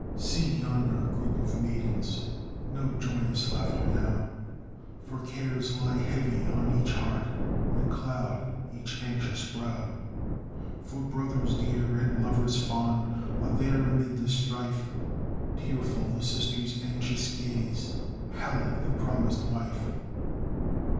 See yonder group of maidens, No joyous laughter now, For cares lie heavy on each heart And cloud each anxious brow; For brothers dear and lovers fond Are there amid the strife; Tearful the sister's anxious gaze Pallid the promised wife.